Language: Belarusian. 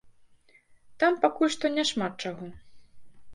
Там, пакуль што, няшмат чаго.